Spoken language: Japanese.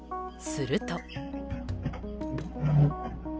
すると。